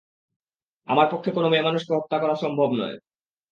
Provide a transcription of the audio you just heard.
আমার পক্ষে কোনো মেয়েমানুষকে হত্যা করা সম্ভব নয়।